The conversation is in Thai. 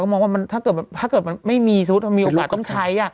มองว่ามันถ้าเกิดมันต้องใช้